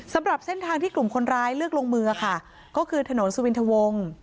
สำหรับเส้นทางที่กลุ่มคนร้ายเลือกลงมือค่ะก็คือถนนสุวินทวง